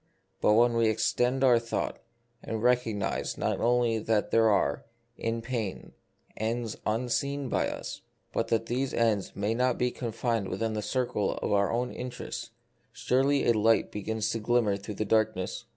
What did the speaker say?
But when we extend our thought, and recognise not only that there are, in pain, ends unseen by us, but that these ends may not be con fined within the circle of our own interests, surely a light begins to glimmer through the darkness.